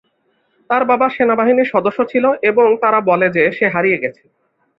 তার বাবা সেনাবাহিনীর সদস্য ছিল এবং তারা বলে যে সে হারিয়ে গেছে।